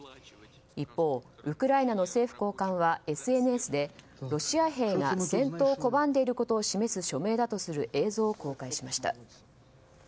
一方、ウクライナの政府高官はＳＮＳでロシア兵が戦闘を拒んでいることを示す署名だとする映像を公開しました。